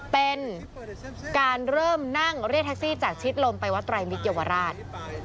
เป็นการเริ่มนั่งเรียกแท็กซี่จากชิดลมไปวัดไตรมิตรเยาวราช